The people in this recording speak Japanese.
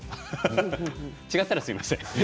違ったらすみません。